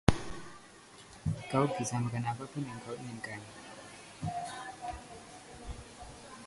Kau bisa makan apapun yang kau inginkan.